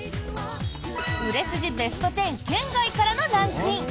売れ筋ベスト１０圏外からのランクイン。